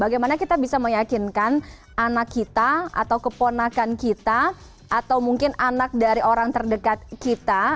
karena kita bisa meyakinkan anak kita atau keponakan kita atau mungkin anak dari orang terdekat kita